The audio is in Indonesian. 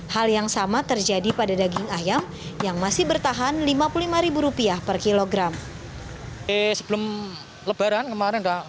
hal yang sama terjadi pada daging ayam yang masih bertahan rp lima puluh lima per kilogram